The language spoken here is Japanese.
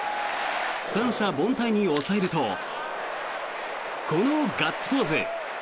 三者凡退に抑えるとこのガッツポーズ。